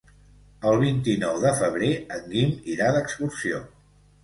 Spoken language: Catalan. El vint-i-nou de febrer en Guim irà d'excursió.